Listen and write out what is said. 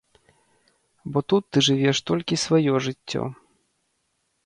Бо тут ты жывеш толькі сваё жыццё.